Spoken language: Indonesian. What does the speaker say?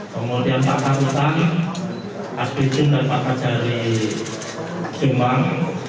kemudian pak sarutan asbidun dan pak pajari jombang